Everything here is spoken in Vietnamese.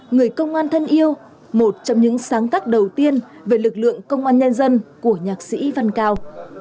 người công an thân yêu một trong những sáng tác đầu tiên về lực lượng công an nhân dân của nhạc sĩ văn cao